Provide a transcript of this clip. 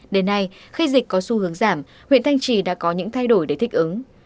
đến nay khi dịch có xu hướng giảm huyện thanh trì đã có những thay đổi để thích ứng